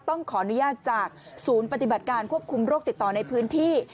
ต้องขออนุญาตจากศูนย์ปฏิบัติการควบคุมโรคติดต่อในพื้นที่